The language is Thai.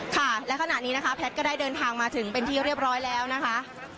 ค่ะและขณะนี้นะคะแพทย์ก็ได้เดินทางมาถึงเป็นที่เรียบร้อยแล้วนะคะ